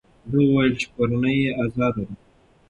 ده وویل چې کورنۍ یې ازاده ده.